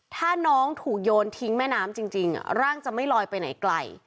ถ้าน้องถูกโยนทิ้งแม่น้ำจริงร่างจะไม่ลอยไปไหนไกล